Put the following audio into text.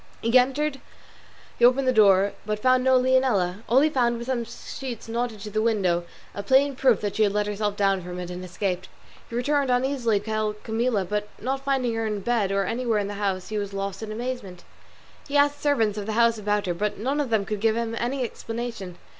He opened the door, entered, but found no Leonela; all he found was some sheets knotted to the window, a plain proof that she had let herself down from it and escaped. He returned, uneasy, to tell Camilla, but not finding her in bed or anywhere in the house he was lost in amazement. He asked the servants of the house about her, but none of them could give him any explanation.